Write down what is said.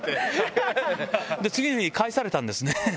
次に帰されたんですね。